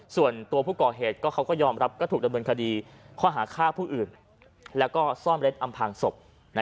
ส่วนตัวผู้ก่อเหตุเขาก็ยอมรับก็ถูกดำเนินคดีข้อหาฆ่าผู้อื่นแล้วก็ซ่อนเร็ดอำพางศพ